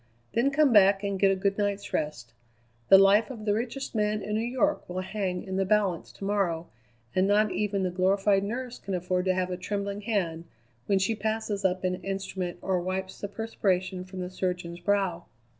Then come back and get a good night's rest. The life of the richest man in New York will hang in the balance to morrow, and not even the glorified nurse can afford to have a trembling hand when she passes up an instrument or wipes the perspiration from the surgeon's brow."